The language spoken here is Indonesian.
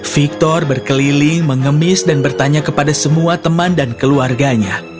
victor berkeliling mengemis dan bertanya kepada semua teman dan keluarganya